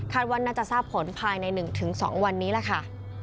ว่าน่าจะทราบผลภายใน๑๒วันนี้ล่ะค่ะ